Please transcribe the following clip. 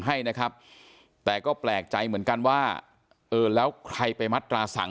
ให้นะครับแต่ก็แปลกใจเหมือนกันว่าเออแล้วใครไปมัตราสั่ง